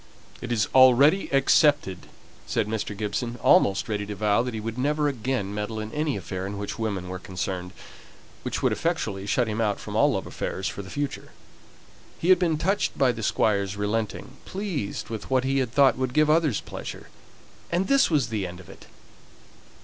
"It is already accepted," said Mr. Gibson, almost ready to vow that he would never again meddle in any affair in which women were concerned, which would effectually shut him out from all love affairs for the future. He had been touched by the Squire's relenting, pleased with what he had thought would give others pleasure, and this was the end of it!